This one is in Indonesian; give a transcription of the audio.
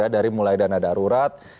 dari mulai dana darurat